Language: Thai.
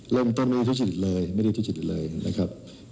เริ่มต้นไม่ได้ทุจริตเลยไม่ได้ทุจริตเลยนะครับ